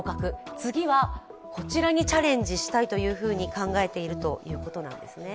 次はこちらにチャレンジしたいと考えているということなんですね。